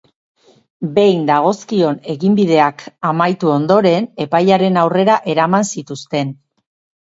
Behin dagozkion eginbideak amaitu ondoren, epailaren aurrera eraman zituzten.